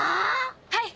はい！